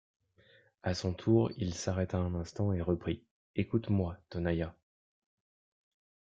À son tour, il s’arrêta un instant et reprit: « Écoute-moi, Tonaïa.